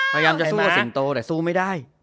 พยายามจะสู้สิงโตแต่สู้ไม่ได้